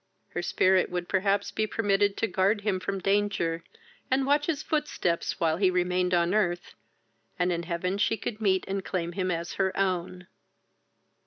Her spirit would perhaps be permitted to guard him from danger, and watch his footsteps, while he remained on earth, and in heaven she could meet and claim him as her own.